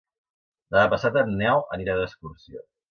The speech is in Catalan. Demà passat en Nel anirà d'excursió.